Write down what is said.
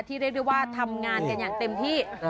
เรียกได้ว่าทำงานกันอย่างเต็มที่